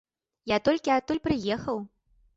Я толькі адтуль прыехаў.